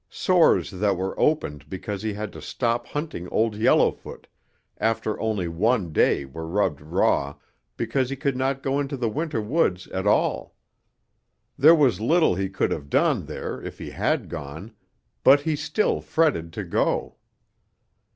Sores that were opened because he had to stop hunting Old Yellowfoot after only one day were rubbed raw because he could not go into the winter woods at all. There was little he could have done there if he had gone, but he still fretted to go.